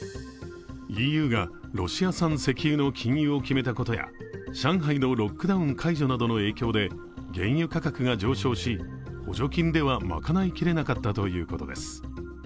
ＥＵがロシア産石油の禁輸を決めたことや、上海のロックダウン解除などの影響で原油価格が上昇し補助金では賄いきれなかったということです。